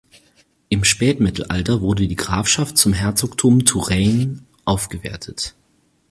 Im Spätmittelalter wurde die Grafschaft zum Herzogtum Touraine aufgewertet.